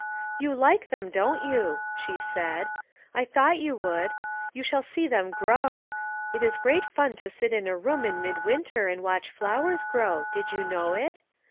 100 " You like them, don't you ?" she asked. " I thought you would. You shall see them grow. It is great fun to sit in a room in mid winter and watch flowers grow ; did you know it